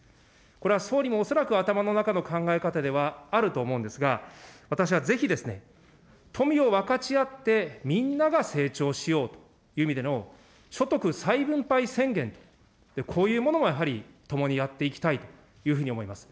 これは総理も恐らく頭の中の考え方では、あると思うんですが、私はぜひですね、富を分かち合ってみんなが成長しようという意味での、所得再分配宣言と、こういうものがやはり共にやっていきたいというふうに思います。